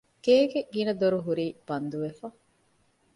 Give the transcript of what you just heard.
ގޭގެ ގިނަ ދޮރު ހުރީ ބަންދުވެފަ